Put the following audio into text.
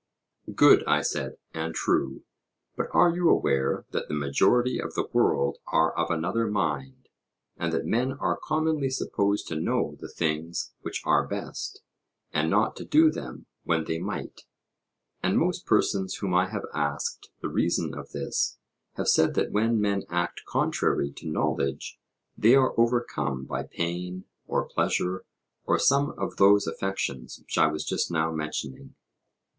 Good, I said, and true. But are you aware that the majority of the world are of another mind; and that men are commonly supposed to know the things which are best, and not to do them when they might? And most persons whom I have asked the reason of this have said that when men act contrary to knowledge they are overcome by pain, or pleasure, or some of those affections which I was just now mentioning.